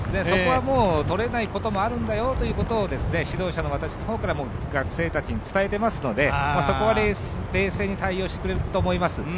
そこは取れないこともあるんだよということを指導者の私からも学生たちに伝えていますのでそこは冷静に対応してくれると思います。